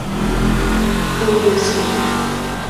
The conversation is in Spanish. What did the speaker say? Pola de Siero.